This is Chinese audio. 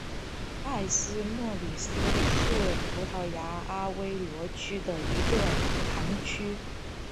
埃斯莫里斯是葡萄牙阿威罗区的一个堂区。